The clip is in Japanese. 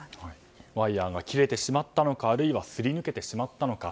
ワイヤが切れてしまったのかあるいはすり抜けてしまったのか。